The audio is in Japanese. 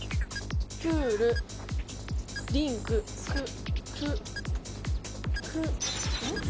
プールリンククククリンク？